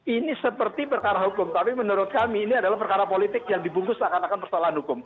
ini seperti perkara hukum tapi menurut kami ini adalah perkara politik yang dibungkus seakan akan persoalan hukum